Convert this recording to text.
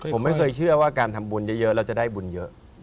ผมไม่เคยเชื่อว่าการทำบุญเยอะเราจะได้บุญเยอะ